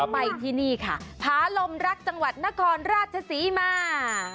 ไปที่นี่ค่ะผาลมรักจังหวัดนครราชศรีมา